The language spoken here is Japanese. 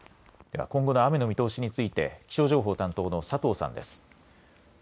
では今後の雨の見通しについて気象情報担当の佐藤さんです。